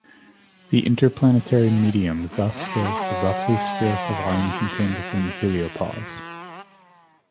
The interplanetary medium thus fills the roughly spherical volume contained within the heliopause.